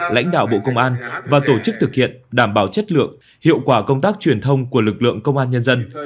lãnh đạo bộ công an và tổ chức thực hiện đảm bảo chất lượng hiệu quả công tác truyền thông của lực lượng công an nhân dân